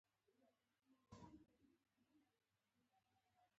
هغه په قم ښار کې خاورو ته وسپارل شو.